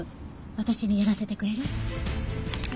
私にやらせてくれる？